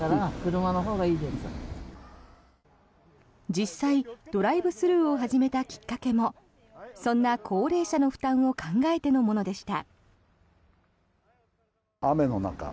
実際、ドライブスルーを始めたきっかけもそんな高齢者の負担を考えてのものでした。